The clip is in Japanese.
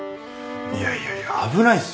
いやいやいや危ないっすよ。